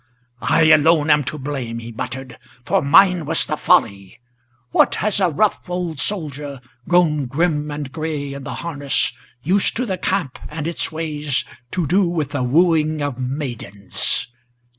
"I alone am to blame," he muttered, "for mine was the folly. What has a rough old soldier, grown grim and gray in the harness, Used to the camp and its ways, to do with the wooing of maidens?